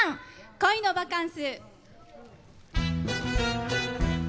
「恋のバカンス」。